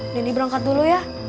nini berangkat dulu ya